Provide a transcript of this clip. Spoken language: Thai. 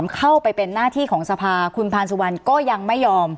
เข้าไปเป็นหน้าที่ของสภาคุณพานสุวรรณก็ยังไม่ยอม